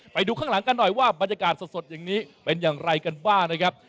ไปดูข้างหลังกันหน่อยว่าบรรยากาศสดอย่างนี้เป็นอย่างไรกันบ้างนะครับ